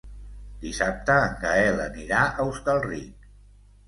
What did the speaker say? Dissabte en Gaël anirà a Hostalric.